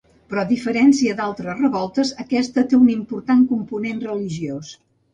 Però a diferència de les altres revoltes aquesta té un important component religiós.